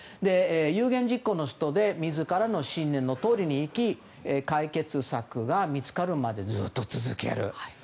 有言実行の人で自らの信念のとおりに生き解決策が見つかるまでずっと続ける。